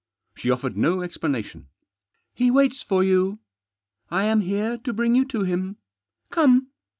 She offered no explanation. " He waits for you. I am here to bring you to him. Come."